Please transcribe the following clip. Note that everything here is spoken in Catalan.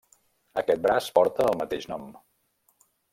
Aquest braç porta el mateix nom.